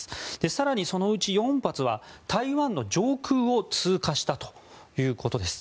更にそのうち４発は台湾の上空を通過したということです。